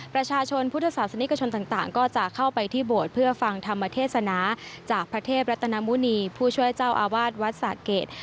ประชาชนพุทธศาสนิกชนต่างก็จะเข้าไปที่โบสถ์เพื่อฟังธรรมเทศนาจากพระเทพรัตนมุณีผู้ช่วยเจ้าอาวาสวัดสะเกด